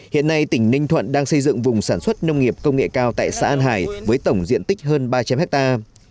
hiện nay tỉnh ninh thuận đang xây dựng vùng sản xuất nông nghiệp công nghệ cao tại xã an hải với tổng diện tích hơn ba trăm linh hectare